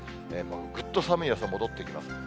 もうぐっと寒い朝、戻ってきます。